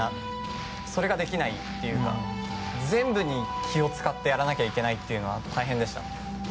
それができないというのは全部に気を使ってやらないといけないのは大変でした。